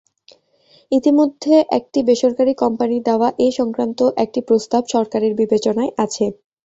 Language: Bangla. ইতিমধ্যে একটি বেসরকারি কোম্পানির দেওয়া এ-সংক্রান্ত একটি প্রস্তাব সরকারের বিবেচনায় আছে।